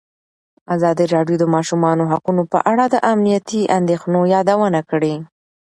ازادي راډیو د د ماشومانو حقونه په اړه د امنیتي اندېښنو یادونه کړې.